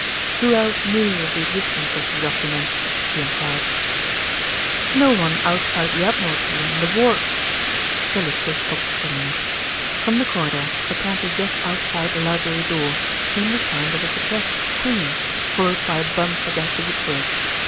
"Who else knew of the existence of the document?" he enquired. "No one outside the Admiralty and the War " Sir Lyster stopped suddenly. From the corridor, apparently just outside the library door, came the sound of a suppressed scream, followed by a bump against the woodwork.